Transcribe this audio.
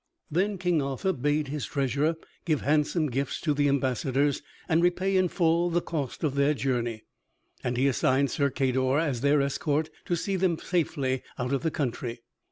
Then King Arthur bade his treasurer give handsome gifts to the ambassadors, and repay in full the cost of their journey, and he assigned Sir Cador as their escort to see them safely out of the country.